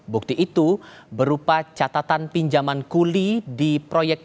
bukti itu berupa catatan pinjaman kuli di proyek